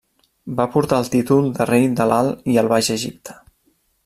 Va portar el títol de rei de l'Alt i el Baix Egipte.